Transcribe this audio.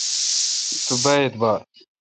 تو با اعبار ۔